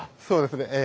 そうですね